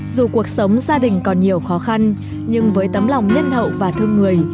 dù cuộc sống gia đình còn nhiều khó khăn nhưng với tấm lòng nhân hậu và thương người